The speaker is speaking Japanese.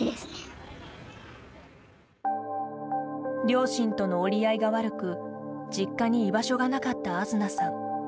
両親との折り合いが悪く実家に居場所がなかったあづなさん。